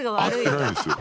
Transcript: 合ってないんですよ。